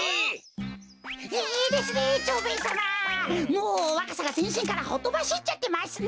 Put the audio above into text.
もうわかさがぜんしんからほとばしっちゃってますね。